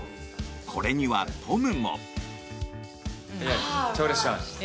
これにはトムも。